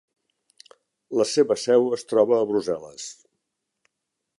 La seva seu es troba a Brussel·les.